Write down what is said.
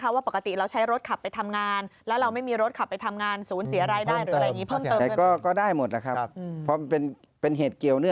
อาจารย์ครับสุดท้าย